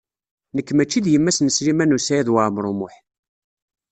Nekk mačči d yemma-s n Sliman U Saɛid Waɛmaṛ U Muḥ.